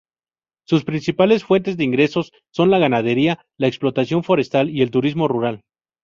Sus principales fuentes de ingresos son la ganadería, la explotación forestal y el turismo rural.